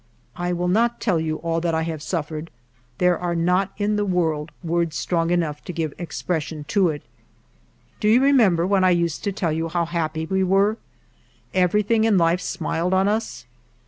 I will not tell you all that I have suffered ; there are not in the world words strong enough to give expression to it. Do you remember when I used to tell you how happy we were ? Everything in life smiled on us.